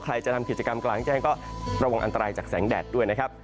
ใครจะทำกิจกรรมกลางแจ้งก็ระวังอันตรายจากแสงแดดด้วยนะครับ